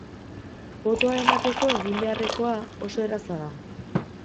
Botoa emateko egin beharrekoa oso erraza da.